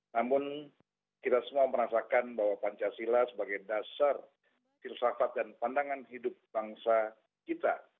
namun kita semua merasakan bahwa pancasila sebagai dasar filsafat dan pandangan hidup bangsa kita